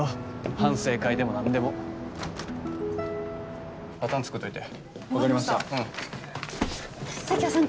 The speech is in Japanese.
反省会でもなんでもパターン作っといてわかりました佐京さん